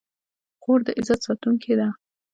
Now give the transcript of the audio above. خور د عزت ساتونکې ده.